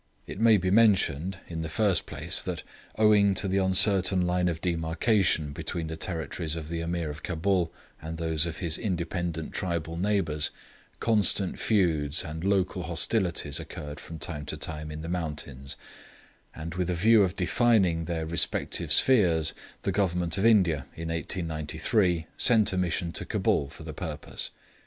It may be mentioned, in the first place, that owing to the uncertain line of demarcation between the territories of the Ameer of Cabul and those of his independent tribal neighbours, constant feuds and local hostilities occurred from time to time in the mountains; and with a view of defining their respective spheres, the Government of India, in 1893, sent a Mission to Cabul for the purpose.